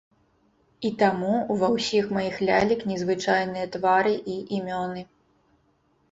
І таму ўва ўсіх маіх лялек незвычайныя твары і імёны.